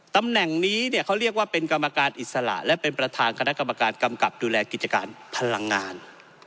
ตำแหน่งนี้เนี่ยเขาเรียกว่าเป็นกรรมการอิสระและเป็นประธานคณะกรรมการกำกับดูแลกิจการพลังงาน